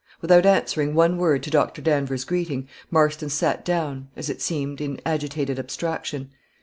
Without answering one word to Dr. Danvers' greeting, Marston sat down, as it seemed, in agitated abstraction.